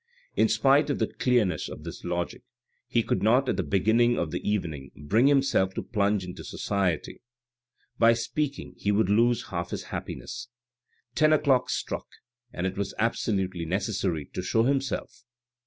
In spite of the clearness of this logic, he could not at the beginning of the evening bring himself to plunge into society. By speaking he would lose half his happiness. Ten o'clock struck and it was absolutely necessary to show himself.